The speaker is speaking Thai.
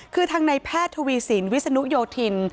คือทางในแพทย์ทวีสินวิศนุโยธิน